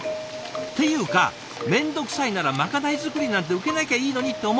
っていうか面倒くさいならまかない作りなんて受けなきゃいいのにと思うでしょ？